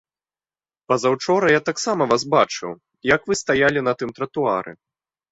Пазаўчора я таксама вас бачыў, як вы стаялі на тым тратуары.